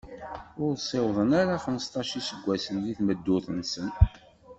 Ur ssiwḍen ara xmesṭac n yiseggasen di tmeddurt-nsen.